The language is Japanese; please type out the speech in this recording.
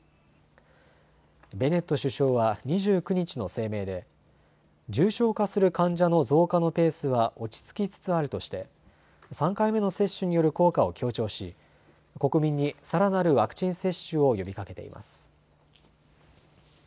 ベネット首相は２９日の声明で重症化する患者の増加のペースは落ち着きつつあるとして３回目の接種による効果を強調し、国民に、さらなるワクチン接種を呼びかけています。